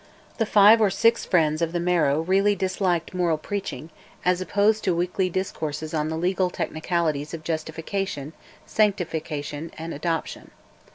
The five or six friends of the Marrow really disliked moral preaching, as opposed to weekly discourses on the legal technicalities of justification, sanctification, and adoption.